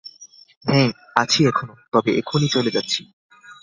হ্যাঁ, আছি এখনো, তবে এখুনি চলে যাচ্ছি।